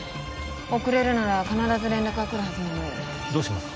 遅れるなら必ず連絡が来るはずなのにどうしますか？